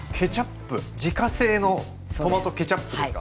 自家製のトマトケチャップですか？